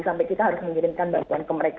sampai kita harus mengirimkan bantuan ke mereka